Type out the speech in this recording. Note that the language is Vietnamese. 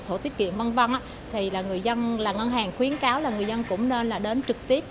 sổ tiết kiệm v v thì là người dân là ngân hàng khuyến cáo là người dân cũng nên là đến trực tiếp